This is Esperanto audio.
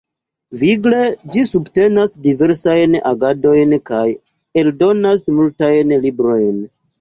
Vigle ĝi subtenas diversajn agadojn kaj eldonas multajn librojn.